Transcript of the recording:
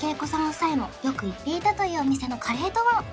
夫妻もよく行っていたというお店のカレーとは？